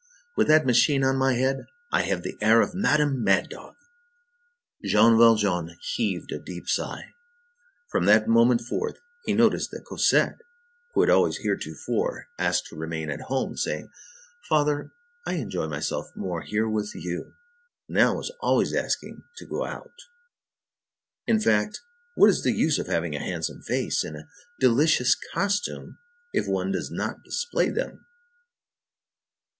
With that machine on my head, I have the air of Madame Mad dog." Jean Valjean heaved a deep sigh. From that moment forth, he noticed that Cosette, who had always heretofore asked to remain at home, saying: "Father, I enjoy myself more here with you," now was always asking to go out. In fact, what is the use of having a handsome face and a delicious costume if one does not display them?